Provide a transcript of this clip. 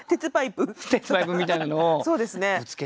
鉄パイプみたいなのをぶつけて。